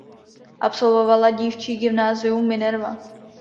Absolvovala dívčí gymnázium Minerva.